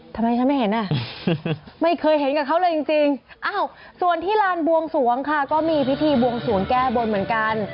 ทำไมฉันไม่เห็นอ่ะไม่เคยเห็นกับเขาเลยจริงส่วนที่ลานบวงสวงค่ะก็มีพิธีบวงสวงแก้บนเหมือนกัน